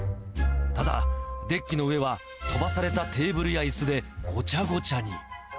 ただ、デッキの上は飛ばされたテーブルやいすでごちゃごちゃに。